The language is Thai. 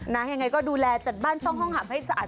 ยังไงก็ดูแลจัดบ้านช่องห้องหับให้สะอาด